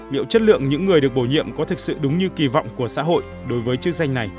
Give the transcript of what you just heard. liệu chất lượng những người được bổ nhiệm có thực sự đúng như kỳ vọng của xã hội đối với chức danh này